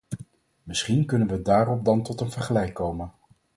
Misschien kunnen we daarop dan tot een vergelijk komen.